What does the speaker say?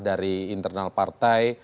dari internal partai